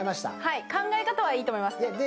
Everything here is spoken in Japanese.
考え方はいいと思います。